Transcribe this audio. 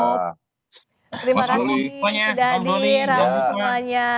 terima kasih sudadi rauh semuanya